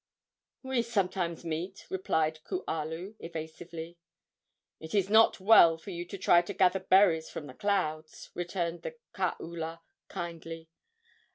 "We sometimes meet," replied Kualu, evasively. "It is not well for you to try to gather berries from the clouds," returned the kaula, kindly.